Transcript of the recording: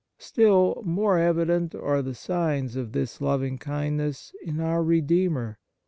Still more evident are the signs of this loving kindness in our Redeemer.